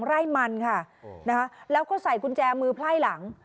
ไร่มันค่ะนะคะแล้วก็ใส่กุญแจมือไพ่หลัง